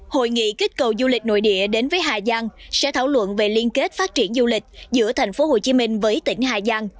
hội nghị kích cầu du lịch nội địa đến với hà giang sẽ thảo luận về liên kết phát triển du lịch giữa tp hcm với tỉnh hà giang